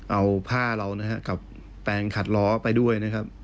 เอาผ้าเรากับแปลงขัดล้อไปด้วย